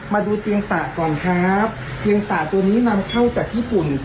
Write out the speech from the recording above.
มาดูเตียงส์สระตัวนี้หนังเข้าจากญี่ปุ่น